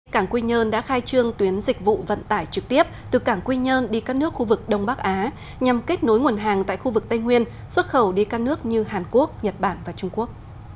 cảng quy nhơn đã khai trương tuyến dịch vụ vận tải trực tiếp từ cảng quy nhơn đi các nước khu vực đông bắc á nhằm kết nối nguồn hàng tại khu vực tây nguyên xuất khẩu đi các nước như hàn quốc nhật bản và trung quốc